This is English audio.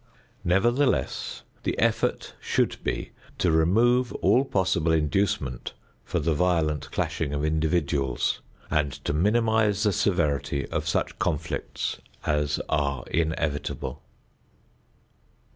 Nevertheless, the effort should be to remove all possible inducement for the violent clashing of individuals and to minimize the severity of such conflicts as are inevitable.